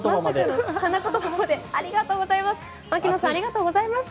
ありがとうございます。